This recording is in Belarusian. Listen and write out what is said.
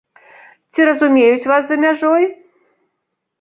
Ці разумеюць вас за мяжой?